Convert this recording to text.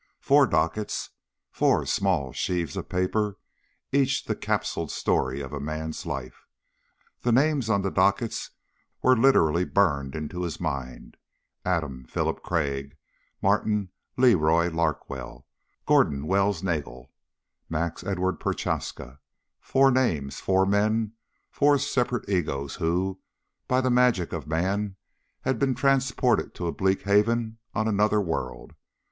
Four dockets, four small sheaves of paper, each the capsuled story of a man's life. The names on the dockets were literally burned into his mind: Adam Philip Crag, Martin LeRoy Larkwell, Gordon Wells Nagel, Max Edward Prochaska. Four names, four men, four separate egos who, by the magic of man, had been transported to a bleak haven on another world.